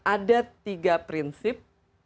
ada tiga prinsip